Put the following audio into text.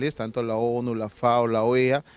seperti onu fao oea